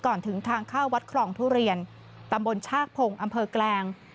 ก่อนถึงทางเข้าวัดครองธุเรียนตำวนชากผงอำเภอกแกรง